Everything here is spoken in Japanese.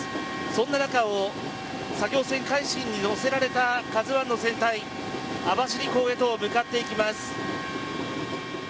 そんな中を作業船「海進」に載せられた「ＫＡＺＵ１」の船体網走港へと向かっていきます。